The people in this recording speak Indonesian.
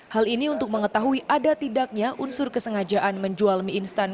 hal ini untuk mengetahui ada tidaknya unsur kesengajaan menjual mie instan